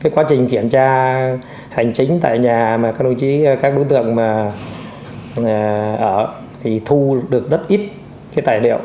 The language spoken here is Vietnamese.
quá trình kiểm tra hành chính tại nhà các đối tượng thu được rất ít tài liệu